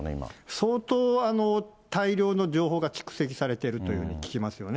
相当、大量の情報が蓄積されているというふうに聞きますよね。